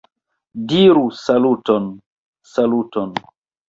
- Diru "Saluton"! - "Saluton"!